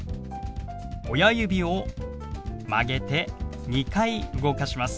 親指を曲げて２回動かします。